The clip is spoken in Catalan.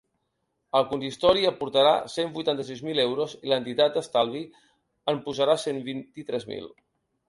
El consistori hi aportarà cent vuitanta-sis mil euros, i l’entitat d’estalvi en posarà cent vint-i-tres mil.